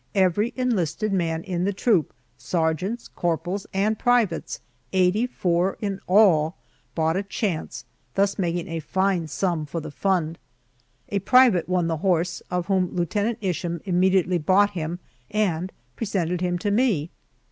Every enlisted man in the troop sergeants, corporals, and privates, eighty four in all bought a chance, thus making a fine sum for the fund. A private won the horse, of whom Lieutenant Isham immediately bought him and presented him to me.